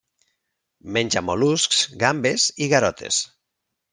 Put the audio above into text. Menja mol·luscs, gambes i garotes.